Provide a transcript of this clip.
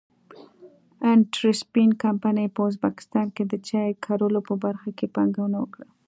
انټرسپن کمپنۍ په ازبکستان کې د چای کرلو په برخه کې پانګونه وکړه.